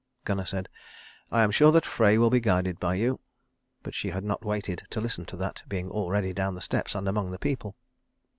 Gunnar said, "I am sure that Frey will be guided by you"; but she had not waited to listen to that, being already down the steps and among the people.